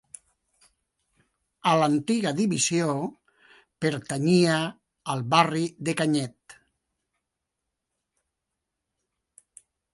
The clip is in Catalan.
A l'antiga divisió, pertanyia al barri de Canyet.